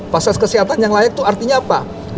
pasas kesehatan yang layak tuh artinya apa